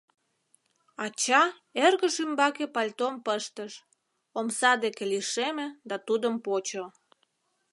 Ача эргыж ӱмбаке пальтом пыштыш, омса деке лишеме да тудым почо.